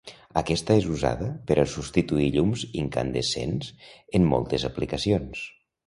Aquesta és usada per a substituir llums incandescents en moltes aplicacions.